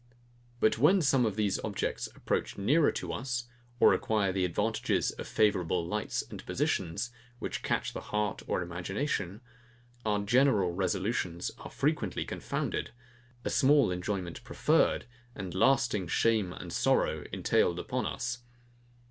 But when some of these objects approach nearer to us, or acquire the advantages of favourable lights and positions, which catch the heart or imagination; our general resolutions are frequently confounded, a small enjoyment preferred, and lasting shame and sorrow entailed upon us.